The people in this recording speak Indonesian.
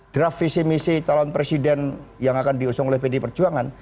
draft visi misi calon presiden yang akan diusung oleh pd perjuangan